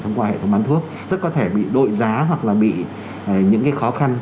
thông qua hệ thống bán thuốc rất có thể bị đổi giá hoặc là bị những cái khó khăn